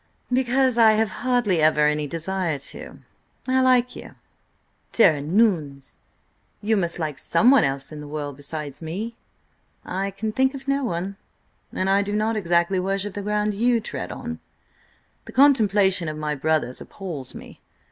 "Because I have hardly ever any desire to. I like you." "Tare an' ouns! you must like someone else in the world besides me?" "I can think of no one. And I do not exactly worship the ground you tread on. The contemplation of my brothers appals me.